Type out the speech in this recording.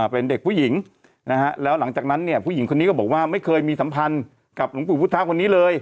เป็นเด็กผู้หญิงนะฮะแล้วหลังจากนั้นเนี่ยผู้หญิงคนนี้ก็บอกว่าไม่เคยมีสัมพันธ์กับหลวงปู่พุทธะคนนี้เลย